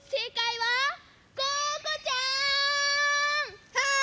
はい！